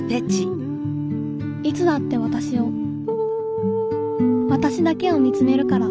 いつだってわたしをわたしだけを見つめるから